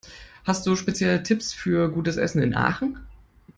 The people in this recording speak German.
Hast du spezielle Tipps für gutes Essen in Aachen?